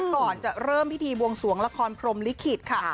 ก่อนจะเริ่มพิธีบวงสวงละครพรมลิขิตค่ะ